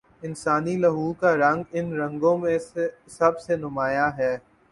انسانی لہو کا رنگ ان رنگوں میں سب سے نمایاں ہے۔